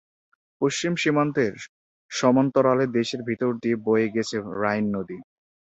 পশ্চিম সীমান্তের সমান্তরালে দেশের ভেতর দিয়ে বয়ে গেছে রাইন নদী।